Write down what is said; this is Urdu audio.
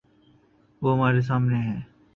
وہ ہمارے سامنے ہے۔